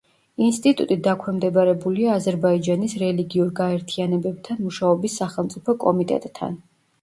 ინსტიტუტი დაქვემდებარებულია აზერბაიჯანის რელიგიურ გაერთიანებებთან მუშაობის სახელმწიფო კომიტეტთან.